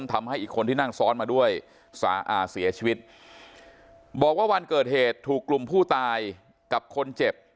ทำให้อีกคนที่นั่งซ้อนมาด้วยเสียชีวิตบอกว่าวันเกิดเหตุถูกกลุ่มผู้ตายกับคนเจ็บ